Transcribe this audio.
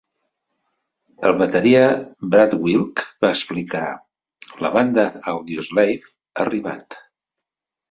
El bateria Brad Wilk va explicar: "La banda Audioslave ha arribat.